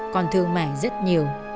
con thương mẹ rất nhiều